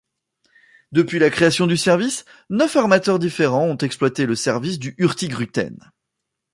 Depuis la création du service, neuf armateurs différents ont exploité le service du Hurtigruten.